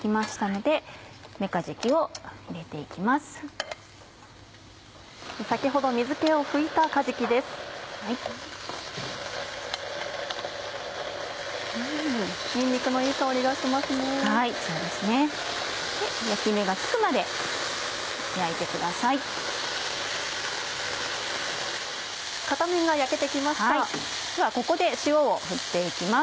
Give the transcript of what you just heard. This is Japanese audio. ではここで塩を振って行きます。